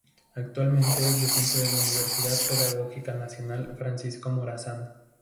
Actualmente es docente en la Universidad Pedagógica Nacional Francisco Morazán.